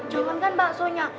jangan kan baksonya